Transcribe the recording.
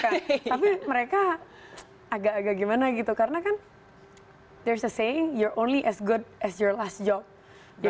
tapi mereka agak agak gimana gitu karena kan ada kata kamu hanya sebagus pekerjaan terakhir